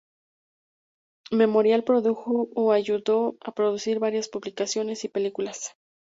Memorial produjo o ayudó a producir varias publicaciones y películas.